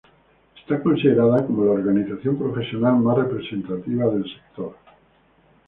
Está considerada como la organización profesional más representativa del sector.